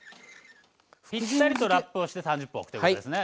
ピッタリとラップをして３０分おくということですね。